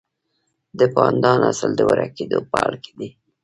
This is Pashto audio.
د پاندا نسل د ورکیدو په حال کې دی